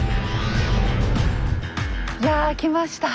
いや来ました。